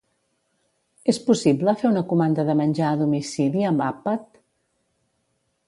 És possible fer una comanda de menjar a domicili amb Appat?